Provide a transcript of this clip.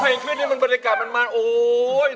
พอเพลงคืนที่นี่บรรยากาศมาสูญโอ้โฮ